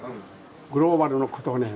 グローバルのことをね